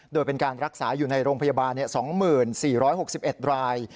โดยเป็นการรักษาอยู่ในโรงพยาบาล๒๔๖๑ราย